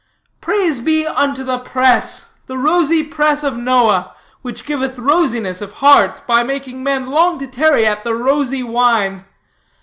Praise be unto the press, the rosy press of Noah, which giveth rosiness of hearts, by making men long to tarry at the rosy wine.